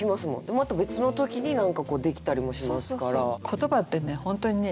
また別の時に何かこうできたりもしますから。